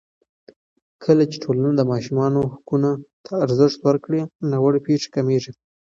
کله چې ټولنه د ماشومانو حقونو ته ارزښت ورکړي، ناوړه پېښې کمېږي.